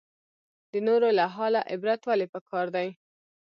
د نورو له حاله عبرت ولې پکار دی؟